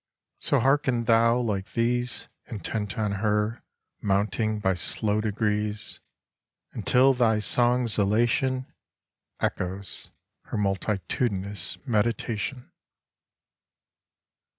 So hearken thou like these, Intent on her, mounting by slow degrees, Until thy song's elation Echoes her multitudinous meditation.